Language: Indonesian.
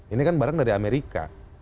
ini kan barang dari amerika